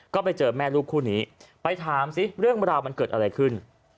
ก็ไปเจอแม่ลูกคู่นี้ไปถามสิเรื่องราวมันเกิดอะไรขึ้น